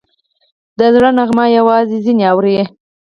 د زړه نغمه یوازې ځینې اوري